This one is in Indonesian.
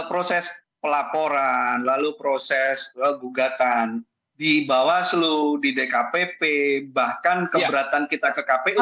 proses pelaporan lalu proses gugatan di bawaslu di dkpp bahkan keberatan kita ke kpu